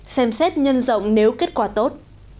xem xét nhân rộng nếu kết quả tốt